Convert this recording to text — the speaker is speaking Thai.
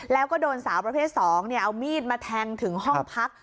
แล้วก็โดนสาวประเภท๒เอามีดมาแทงถึงห้องพัก